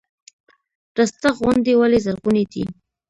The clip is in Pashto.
رستاق غونډۍ ولې زرغونې دي؟